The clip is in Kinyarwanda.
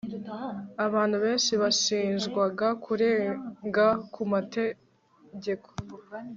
abantu benshi bashinjwaga kurenga ku mategeko